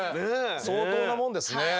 相当なもんですね。